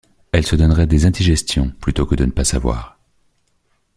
Elles se donneraient des indigestions, plutôt que de ne pas savoir...